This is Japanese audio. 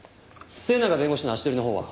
末永弁護士の足取りのほうは？